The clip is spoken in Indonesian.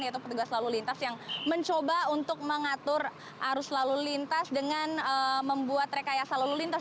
yaitu petugas lalu lintas yang mencoba untuk mengatur arus lalu lintas dengan membuat rekayasa lalu lintas